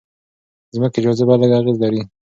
ځمکې جاذبه لږ اغېز لري.